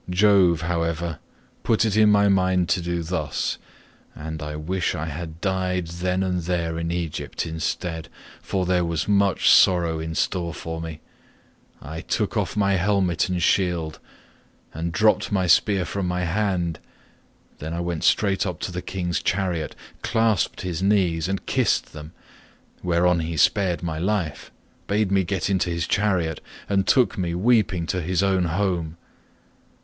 Jove, however, put it in my mind to do thus—and I wish I had died then and there in Egypt instead, for there was much sorrow in store for me—I took off my helmet and shield and dropped my spear from my hand; then I went straight up to the king's chariot, clasped his knees and kissed them, whereon he spared my life, bade me get into his chariot, and took me weeping to his own home.